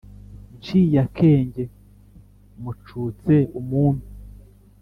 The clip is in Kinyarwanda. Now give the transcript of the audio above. nshiye akenge mucutse umumpe,